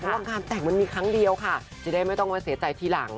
เพราะว่าการแต่งมันมีครั้งเดียวค่ะจะได้ไม่ต้องมาเสียใจทีหลัง